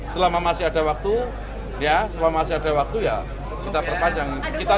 selama masih ada waktu ya selama masih ada waktu ya kita perpanjang